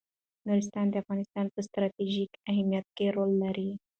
نورستان د افغانستان په ستراتیژیک اهمیت کې رول لري.